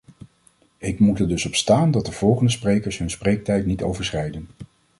Ik moet er dus op staan dat de volgende sprekers hun spreektijd niet overschrijden.